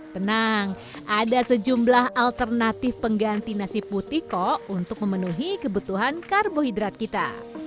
tenang ada sejumlah alternatif pengganti nasi putih kok untuk memenuhi kebutuhan karbohidrat kita